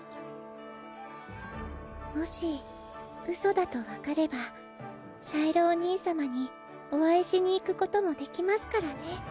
もしうそだと分かればシャイロおにいさまにお会いしに行くこともできますからね。